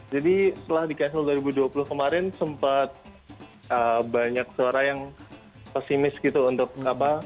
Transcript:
setelah di castle dua ribu dua puluh kemarin sempat banyak suara yang pesimis gitu untuk apa